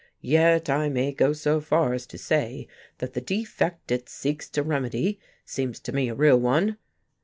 Yet I may go so far as to say that the defect it seeks to remedy seems to me a real one.